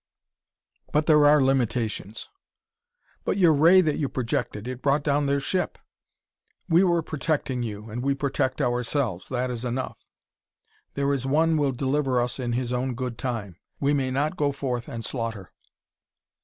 But there are limitations." "But your ray that you projected it brought down their ship!" "We were protecting you, and we protect ourselves; that is enough. There is One will deliver us in His own good time; we may not go forth and slaughter."